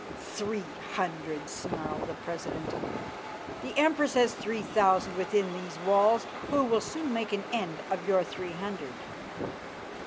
"Three hundred!" snarled the president. "The Empress has three thousand within these walls who will soon make an end of your three hundred."